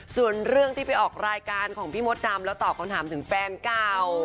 ส่วนเรื่องที่ไปออกรายการของพี่มดดำแล้วตอบคำถามถึงแฟนเก่า